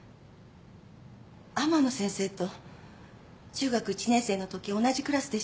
天野先生と中学１年生のとき同じクラスでした。